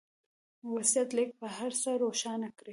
وصيت ليک به هر څه روښانه کړي.